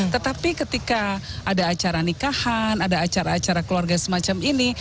tetapi ketika ada acara nikahan ada acara acara keluarga semacam ini